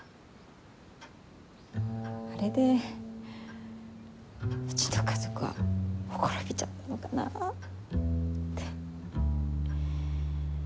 あれでうちの家族は綻びちゃったのかなぁって。